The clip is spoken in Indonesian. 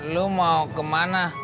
lu mau kemana